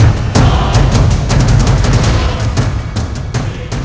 jangan lupa menangkap